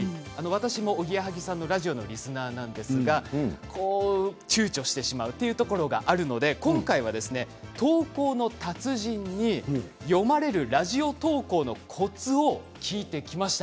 私も、おぎやはぎさんのラジオのリスナーなんですがちゅうちょしてしまうというところがあるので今回は投稿の達人に読まれるラジオ投稿のコツを聞いてきました。